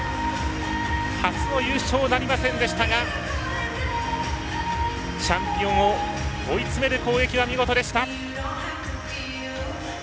初の優勝なりませんでしたがチャンピオンを追い詰める攻撃は見事でした。